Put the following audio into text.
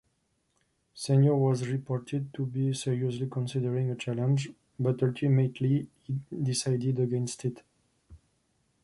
Senor was reported to be seriously considering a challenge, but ultimately decided against it.